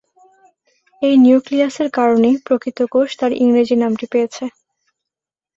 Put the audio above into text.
এই নিউক্লিয়াসের কারণেই প্রকৃত কোষ তার ইংরেজি নামটি পেয়েছে।